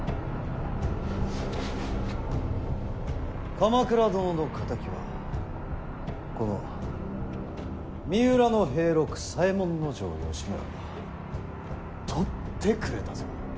鎌倉殿の敵はこの三浦平六左衛門尉義村がとってくれたぞ。